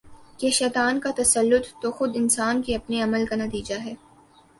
کہ شیطان کا تسلط خود انسان کے اپنے عمل کا نتیجہ ہے